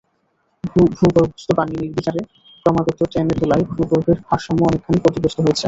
ভূগর্ভস্থ পানি নির্বিচারে ক্রমাগত টেনে তোলায় ভূগর্ভে ভারসাম্য অনেকখানি ক্ষতিগ্রস্ত হয়েছে।